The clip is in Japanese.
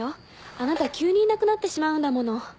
あなた急にいなくなってしまうんだもの。